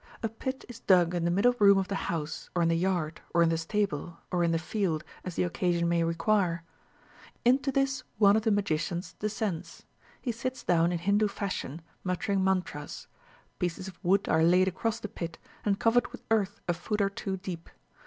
A pit is dug in the middle room of the house or in the yard, or in the stable, or in the field, as the occasion may require. Into this one of the magicians descends. He sits down in Hindu fashion, muttering mantras. Pieces of wood are laid across the pit, and covered with earth a foot or two deep.